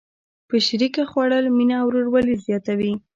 په شریکه خوړل مینه او ورورولي زیاتوي.